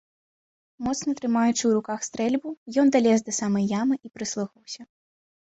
Моцна трымаючы ў руках стрэльбу, ён далез да самай ямы і прыслухаўся.